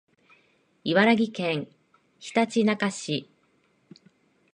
茨城県ひたちなか市